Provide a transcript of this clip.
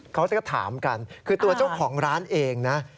เขาก็ถามกันคือตัวเจ้าของร้านเองนะ